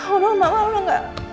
aduh mama udah gak